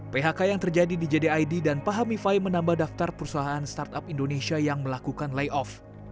phk yang terjadi di jdid dan pahamify menambah daftar perusahaan startup indonesia yang melakukan layoff